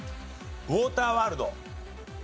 『ウォーターワールド』。